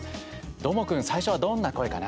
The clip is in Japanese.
どーもくん、最初はどんな声かな。